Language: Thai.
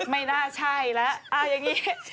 ไม่น่าใช่แล้วอย่างนี้